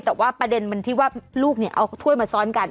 แต่ว่าประเด็นมันที่ว่าลูกเอาถ้วยมาซ้อนกัน